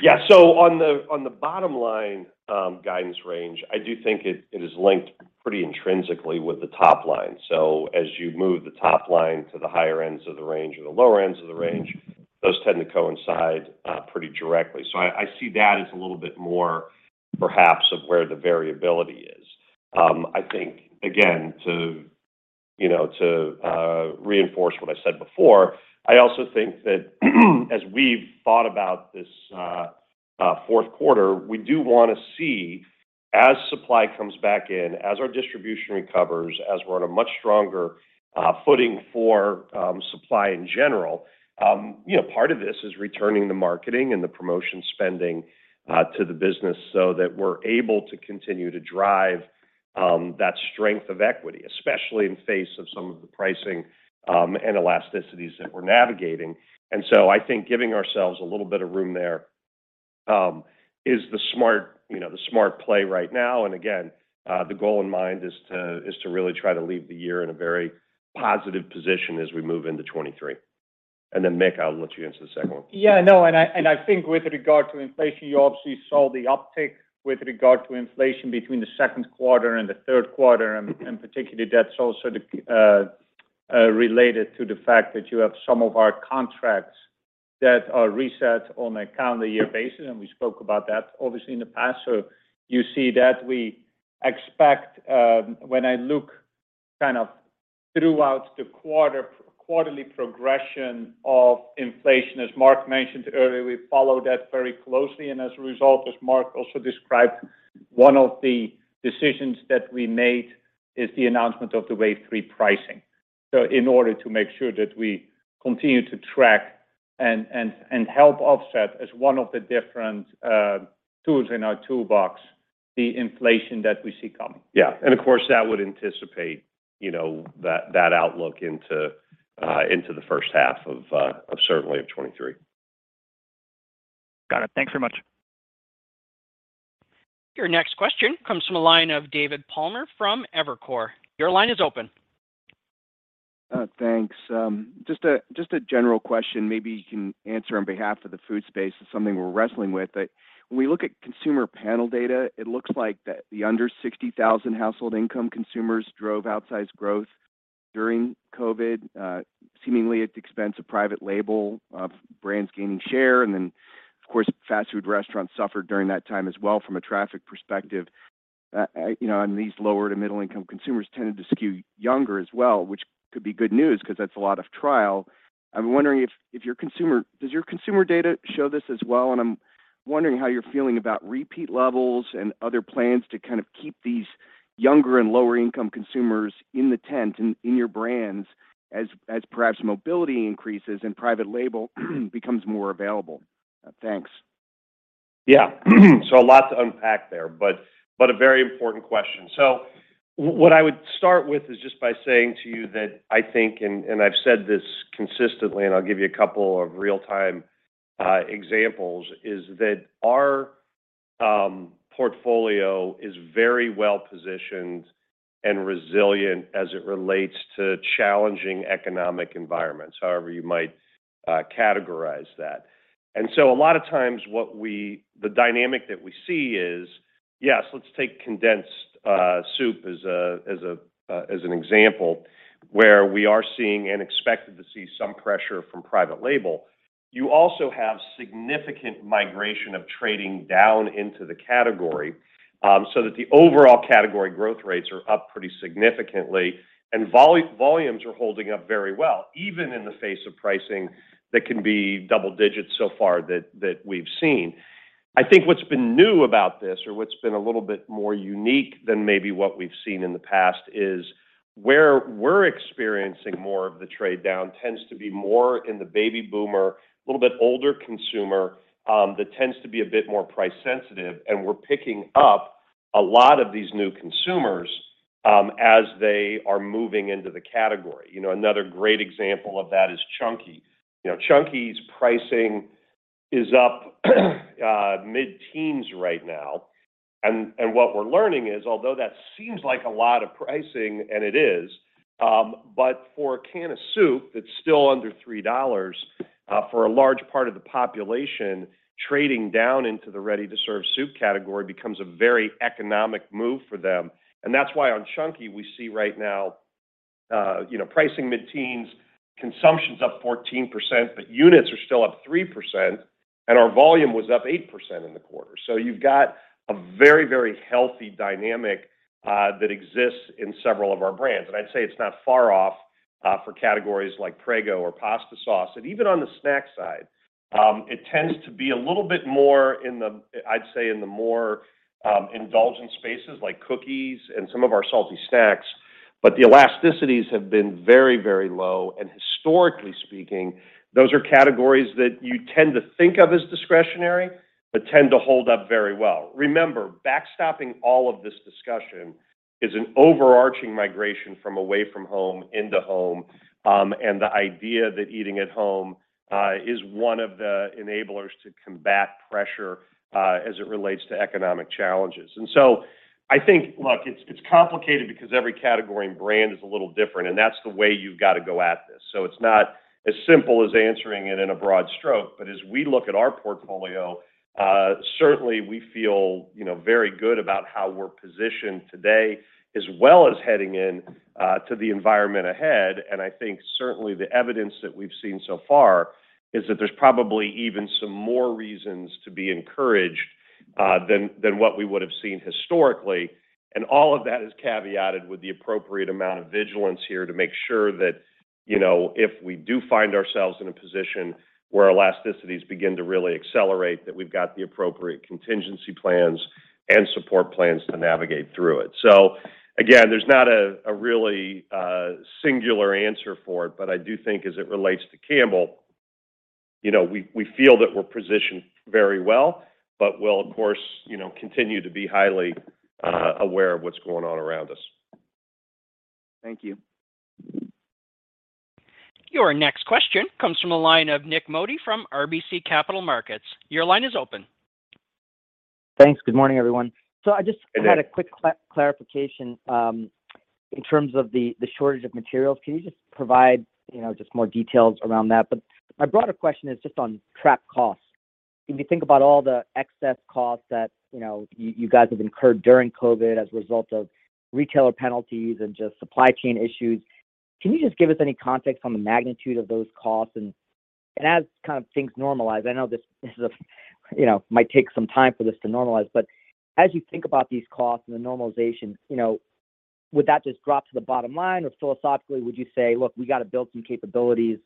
Yeah. On the bottom line guidance range, I do think it is linked pretty intrinsically with the top line. As you move the top line to the higher ends of the range or the lower ends of the range, those tend to coincide pretty directly. I see that as a little bit more perhaps of where the variability is. I think again, you know, to reinforce what I said before, I also think that as we've thought about this fourth quarter, we do wanna see as supply comes back in, as our distribution recovers, as we're on a much stronger footing for supply in general, you know, part of this is returning the marketing and the promotion spending to the business so that we're able to continue to drive that strength of equity. Especially in the face of some of the pricing and elasticities that we're navigating. I think giving ourselves a little bit of room there is the smart, you know, play right now. Again, the goal in mind is to really try to leave the year in a very positive position as we move into 2023. Mick, I'll let you answer the second one. Yeah, no. I think with regard to inflation, you obviously saw the uptick with regard to inflation between the second quarter and the third quarter. Particularly that's also the related to the fact that you have some of our contracts that are reset on a calendar year basis, and we spoke about that obviously in the past. You see that we expect, when I look kind of throughout the quarterly progression of inflation, as Mark mentioned earlier, we follow that very closely and as a result, as Mark also described, one of the decisions that we made is the announcement of the Wave Three pricing. In order to make sure that we continue to track and help offset as one of the different tools in our toolbox, the inflation that we see coming. Yeah. Of course, that would anticipate, you know, that outlook into into the first half of of certainly of 2023. Got it. Thanks very much. Your next question comes from the line of David Palmer from Evercore. Your line is open. Thanks. Just a general question maybe you can answer on behalf of the food space. It's something we're wrestling with. When we look at consumer panel data, it looks like the under $60,000 household income consumers drove outsized growth during COVID, seemingly at the expense of private label of brands gaining share. Then of course, fast food restaurants suffered during that time as well from a traffic perspective. You know, these lower to middle income consumers tended to skew younger as well, which could be good news 'cause that's a lot of trial. I'm wondering if your consumer data shows this as well? I'm wondering how you're feeling about repeat levels and other plans to kind of keep these younger and lower income consumers in the tent and in your brands as perhaps mobility increases and private label becomes more available. Thanks. Yeah. A lot to unpack there, but a very important question. What I would start with is just by saying to you that I think, and I've said this consistently, and I'll give you a couple of real-time examples, is that our portfolio is very well positioned and resilient as it relates to challenging economic environments, however you might categorize that. A lot of times what we see is the dynamic that, yes. Let's take condensed soup as an example where we are seeing and expected to see some pressure from private label. You also have significant migration of trading down into the category, so that the overall category growth rates are up pretty significantly and volumes are holding up very well, even in the face of pricing that can be double digits so far that we've seen. I think what's been new about this or what's been a little bit more unique than maybe what we've seen in the past is where we're experiencing more of the trade down tends to be more in the baby boomer, a little bit older consumer, that tends to be a bit more price sensitive. We're picking up a lot of these new consumers, as they are moving into the category. You know, another great example of that is Chunky. You know, Chunky's pricing is up mid-teens right now and what we're learning is, although that seems like a lot of pricing, and it is, but for a can of soup that's still under $3, for a large part of the population, trading down into the ready-to-serve soup category becomes a very economic move for them. That's why on Chunky we see right now, you know, pricing mid-teens, consumption's up 14%, but units are still up 3%, and our volume was up 8% in the quarter. You've got a very, very healthy dynamic that exists in several of our brands. I'd say it's not far off for categories like Prego or pasta sauce. Even on the snack side, it tends to be a little bit more in the, I'd say, indulgent spaces like cookies and some of our salty snacks. But the elasticities have been very, very low. Historically speaking, those are categories that you tend to think of as discretionary, but tend to hold up very well. Remember, backstopping all of this discussion is an overarching migration away from home into home, and the idea that eating at home is one of the enablers to combat pressure as it relates to economic challenges. I think. Look, it's complicated because every category and brand is a little different, and that's the way you've got to go at this. It's not as simple as answering it in a broad stroke. As we look at our portfolio, certainly we feel, you know, very good about how we're positioned today as well as heading in, to the environment ahead. I think certainly the evidence that we've seen so far is that there's probably even some more reasons to be encouraged, than what we would have seen historically. All of that is caveated with the appropriate amount of vigilance here to make sure that, you know, if we do find ourselves in a position where elasticities begin to really accelerate, that we've got the appropriate contingency plans and support plans to navigate through it. Again, there's not a really singular answer for it. I do think as it relates to Campbell, you know, we feel that we're positioned very well. We'll of course, you know, continue to be highly aware of what's going on around us. Thank you. Your next question comes from the line of Nik Modi from RBC Capital Markets. Your line is open. Thanks. Good morning, everyone. Good morning. I just had a quick clarification in terms of the shortage of materials. Can you just provide, you know, just more details around that? My broader question is just on trapped costs. If you think about all the excess costs that, you know, you guys have incurred during COVID as a result of retailer penalties and just supply chain issues, can you just give us any context on the magnitude of those costs? As kind of things normalize, I know this is a you know, might take some time for this to normalize, but as you think about these costs and the normalization, you know, would that just drop to the bottom line or philosophically would you say, "Look, we got to build some capabilities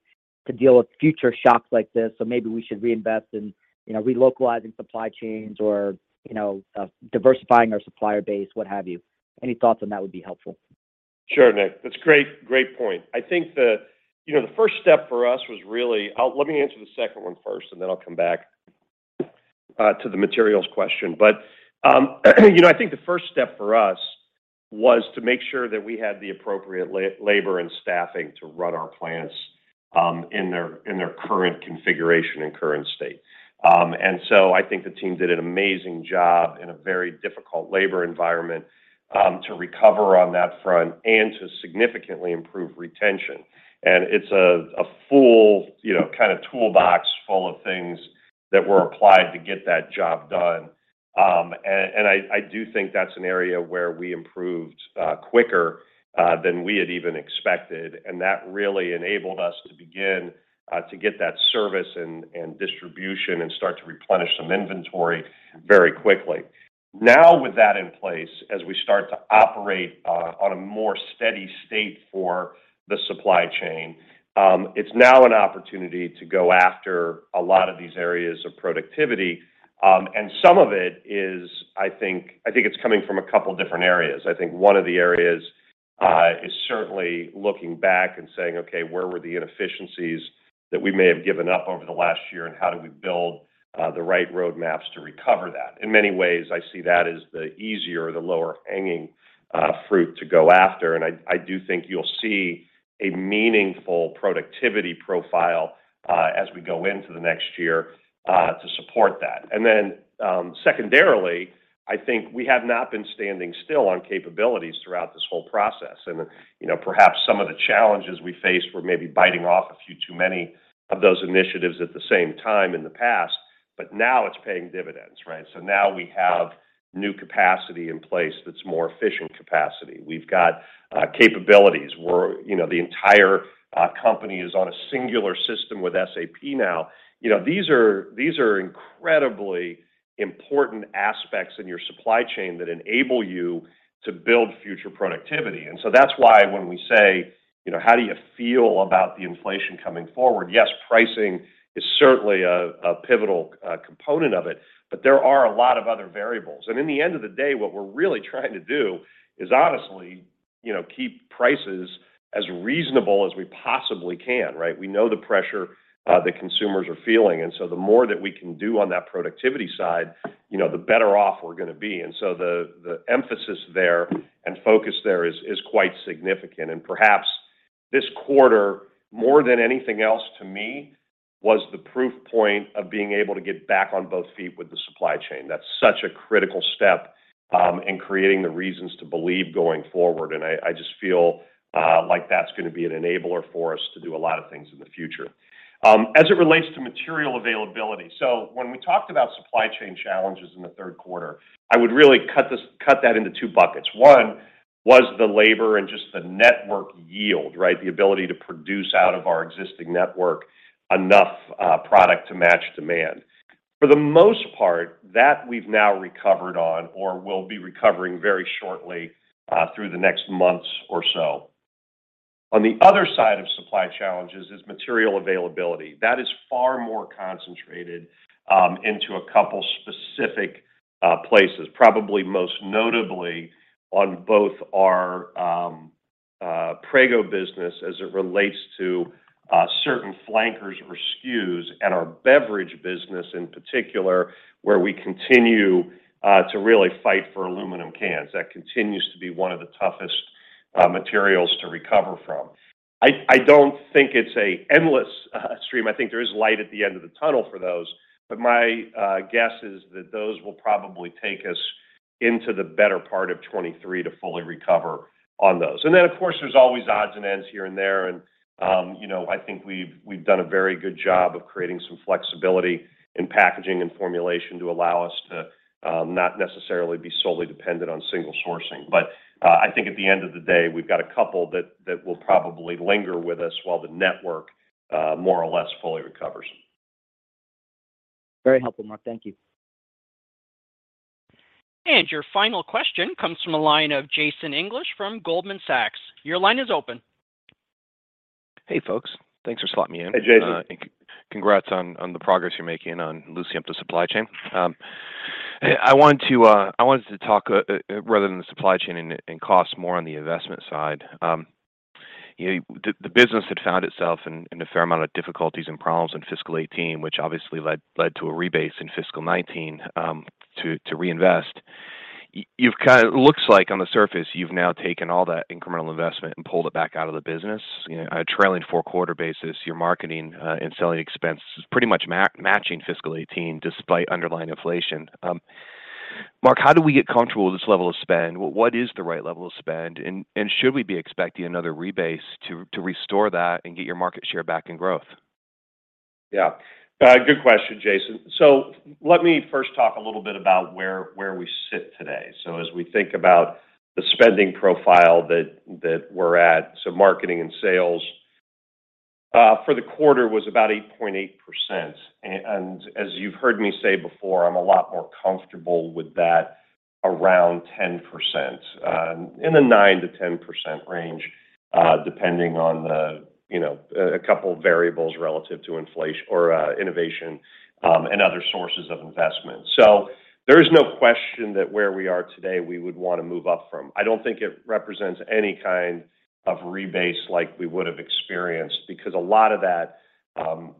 to deal with future shocks like this, so maybe we should reinvest in, you know, relocalizing supply chains or, you know, diversifying our supplier base," what have you? Any thoughts on that would be helpful. Sure, Nick. That's great. Great point. Let me answer the second one first, and then I'll come back to the materials question. You know, I think the first step for us was to make sure that we had the appropriate labor and staffing to run our plants in their current configuration and current state. I think the team did an amazing job in a very difficult labor environment to recover on that front and to significantly improve retention. It's a full, you know, kind of toolbox full of things that were applied to get that job done. I do think that's an area where we improved quicker than we had even expected, and that really enabled us to begin to get that service and distribution and start to replenish some inventory very quickly. Now, with that in place, as we start to operate on a more steady state for the supply chain, it's now an opportunity to go after a lot of these areas of productivity. Some of it is. I think it's coming from a couple different areas. I think one of the areas is certainly looking back and saying, "Okay, where were the inefficiencies that we may have given up over the last year, and how do we build the right road maps to recover that?" In many ways, I see that as the easier, the lower-hanging fruit to go after. I do think you'll see a meaningful productivity profile as we go into the next year to support that. Secondarily, I think we have not been standing still on capabilities throughout this whole process. You know, perhaps some of the challenges we faced were maybe biting off a few too many of those initiatives at the same time in the past, but now it's paying dividends, right? Now we have new capacity in place that's more efficient capacity. We've got capabilities. We're you know, the entire company is on a singular system with SAP now. You know, these are incredibly important aspects in your supply chain that enable you to build future productivity. That's why when we say, you know, "How do you feel about the inflation coming forward?" Yes, pricing is certainly a pivotal component of it, but there are a lot of other variables. In the end of the day, what we're really trying to do is honestly, you know, keep prices as reasonable as we possibly can, right? We know the pressure that consumers are feeling, and so the more that we can do on that productivity side, you know, the better off we're gonna be. The emphasis there and focus there is quite significant. Perhaps this quarter, more than anything else to me, was the proof point of being able to get back on both feet with the supply chain. That's such a critical step in creating the reasons to believe going forward. I just feel like that's gonna be an enabler for us to do a lot of things in the future. As it relates to material availability, so when we talked about supply chain challenges in the third quarter, I would really cut that into two buckets. One was the labor and just the network yield, right? The ability to produce out of our existing network enough product to match demand. For the most part, that we've now recovered on or will be recovering very shortly through the next months or so. On the other side of supply challenges is material availability. That is far more concentrated into a couple specific places, probably most notably on both our Prego business as it relates to certain flankers or SKUs and our beverage business in particular, where we continue to really fight for aluminum cans. That continues to be one of the toughest materials to recover from. I don't think it's an endless stream. I think there is light at the end of the tunnel for those. My guess is that those will probably take us into the better part of 2023 to fully recover on those. Of course, there's always odds and ends here and there, and you know, I think we've done a very good job of creating some flexibility in packaging and formulation to allow us to not necessarily be solely dependent on single sourcing. I think at the end of the day, we've got a couple that will probably linger with us while the network more or less fully recovers. Very helpful, Mark. Thank you. Your final question comes from the line of Jason English from Goldman Sachs. Your line is open. Hey, folks. Thanks for slotting me in. Hey, Jason. Congrats on the progress you're making on loosening up the supply chain. I want to rather than the supply chain and cost more on the investment side. You know, the business had found itself in a fair amount of difficulties and problems in fiscal 2018, which obviously led to a rebase in fiscal 2019 to reinvest. It looks like on the surface, you've now taken all that incremental investment and pulled it back out of the business. You know, a trailing four quarter basis, your marketing and selling expense is pretty much matching fiscal 2018 despite underlying inflation. Mark, how do we get comfortable with this level of spend? What is the right level of spend? Should we be expecting another rebase to restore that and get your market share back in growth? Yeah. Good question, Jason. Let me first talk a little bit about where we sit today. As we think about the spending profile that we're at, marketing and sales for the quarter was about 8.8%. And as you've heard me say before, I'm a lot more comfortable with that around 10%, in the 9%-10% range, depending on a couple of variables relative to inflation or innovation and other sources of investment. There is no question that where we are today, we would wanna move up from. I don't think it represents any kind of rebase like we would have experienced, because a lot of that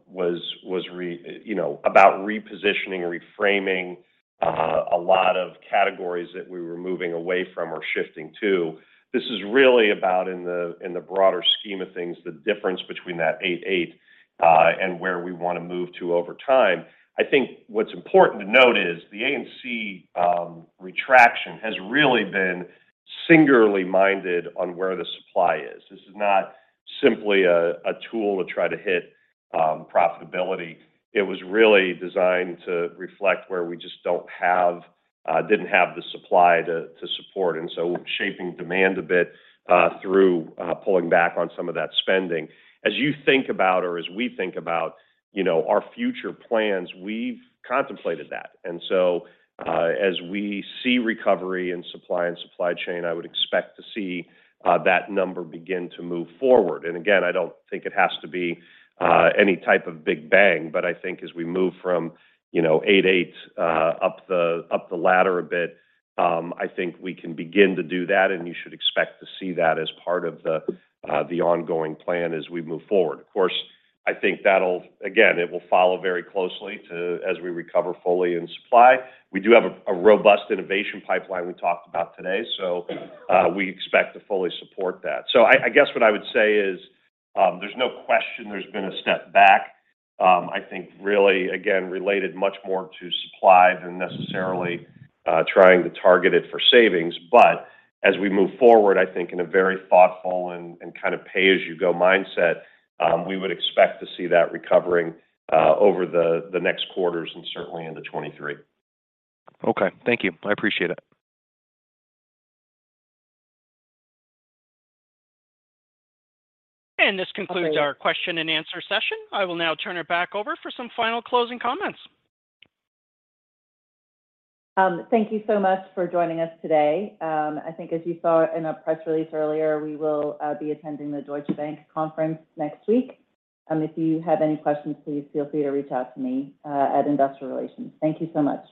was you know, about repositioning or reframing a lot of categories that we were moving away from or shifting to. This is really about in the broader scheme of things, the difference between that 8.8 and where we wanna move to over time. I think what's important to note is the A&C retraction has really been singularly minded on where the supply is. This is not simply a tool to try to hit profitability. It was really designed to reflect where we just didn't have the supply to support. Shaping demand a bit through pulling back on some of that spending. As you think about or as we think about, you know, our future plans, we've contemplated that. As we see recovery in supply and supply chain, I would expect to see that number begin to move forward. Again, I don't think it has to be any type of big bang, but I think as we move from, you know, 8, up the ladder a bit, I think we can begin to do that, and you should expect to see that as part of the ongoing plan as we move forward. Of course, I think that'll. Again, it will follow very closely to as we recover fully in supply. We do have a robust innovation pipeline we talked about today, so we expect to fully support that. I guess what I would say is, there's no question there's been a step back. I think really, again, related much more to supply than necessarily trying to target it for savings. As we move forward, I think in a very thoughtful and kind of pay-as-you-go mindset, we would expect to see that recovering over the next quarters and certainly into 2023. Okay. Thank you. I appreciate it. This concludes our question and answer session. I will now turn it back over for some final closing comments. Thank you so much for joining us today. I think as you saw in our press release earlier, we will be attending the Deutsche Bank conference next week. If you have any questions, please feel free to reach out to me at Investor Relations. Thank you so much.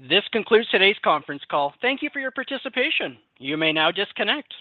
This concludes today's conference call. Thank you for your participation. You may now disconnect.